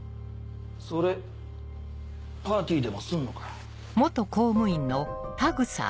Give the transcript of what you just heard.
それパーティーでもすんのか？